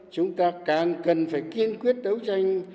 chúng ta càng cần phải kiên quyết đấu tranh